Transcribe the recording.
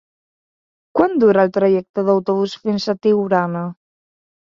Quant dura el trajecte en autobús fins a Tiurana?